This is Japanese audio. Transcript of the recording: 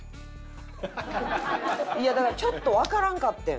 いやだからちょっとわからんかってん。